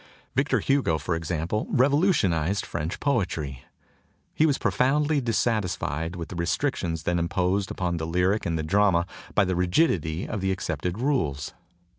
Victor Hugo, for example, revolutionized French poetry. He was profoundly dissatisfied with the restrictions then imposed upon the lyric and the drama by the rigidity of the ac cepted rules.